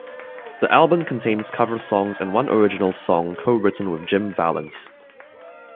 The album contains cover songs and one original song co-written with Jim Vallance.